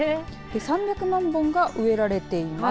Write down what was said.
３００万本が植えられています。